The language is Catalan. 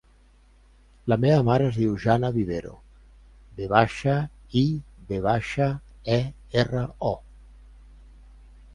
La meva mare es diu Janna Vivero: ve baixa, i, ve baixa, e, erra, o.